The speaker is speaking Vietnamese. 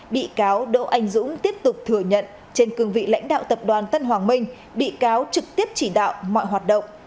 bị cáo đỗ anh dũng tiếp tục thừa nhận trên cương vị lãnh đạo tập đoàn tân hoàng minh bị cáo trực tiếp chỉ đạo mọi hoạt động